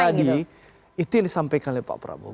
jadi itu yang disampaikan oleh pak prabowo